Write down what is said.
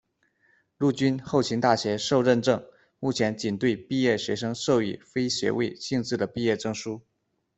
陆军后勤大学受认证，目前仅对毕业学生授予非学位性质的毕业证书。